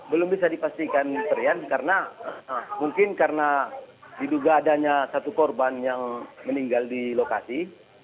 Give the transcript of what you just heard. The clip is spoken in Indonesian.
belum bisa dipastikan terian karena mungkin karena diduga adanya satu korban yang meninggal di lokasi